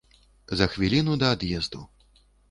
За хвіліну да ад'езду.